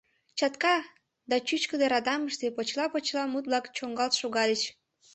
Чатка да чӱчкыдӧ радамыште почела-почела мут-влак чоҥалт шогальыч.